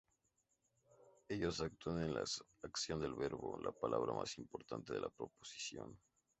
Ellos actúan en la acción del verbo, la palabra más importante de la proposición.